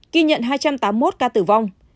ghi nhận hai trăm tám mươi một ca tử vong